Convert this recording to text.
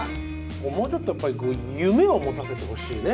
もうちょっとやっぱり、夢を持たせてほしいね。